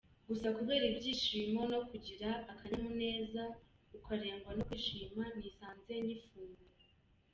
Gusa kubera ibyishimo no kugira akanyamuneza ukarengwa no kwishima nisanze nyifungura.